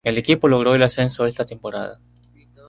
El equipo logró el ascenso esa temporada.